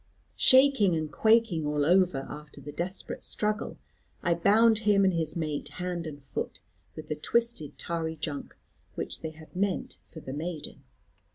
Shaking and quaking all over after the desperate struggle, I bound him and his mate, hand and foot, with the twisted tarry junk, which they had meant for the maiden.